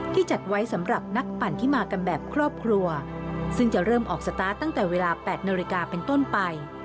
จัดไว้สำหรับนักปั่นที่มากันแบบครอบครัวซึ่งจะเริ่มออกสตาร์ทตั้งแต่เวลา๘นาฬิกาเป็นต้นไป